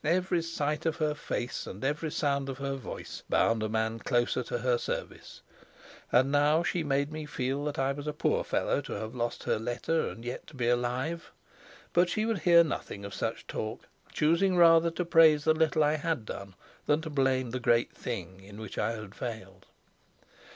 Every sight of her face and every sound of her voice bound a man closer to her service, and now she made me feel that I was a poor fellow to have lost her letter and yet to be alive. But she would hear nothing of such talk, choosing rather to praise the little I had done than to blame the great thing in which I had failed.